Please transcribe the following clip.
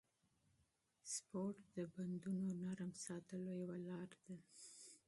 سپورت د بندونو نرم ساتلو یوه لاره ده.